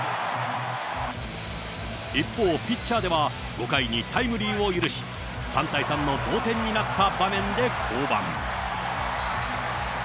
一方、ピッチャーでは、５回にタイムリーを許し、３対３の同点になった場面で降板。